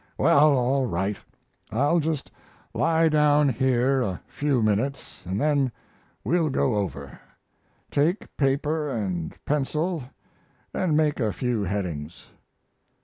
"Well, all right; I'll just lie down here a few minutes and then we'll go over. Take paper and pencil and make a few headings."